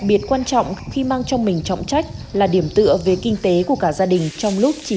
biệt quan trọng khi mang trong mình trọng trách là điểm tựa về kinh tế của cả gia đình trong lúc chỉ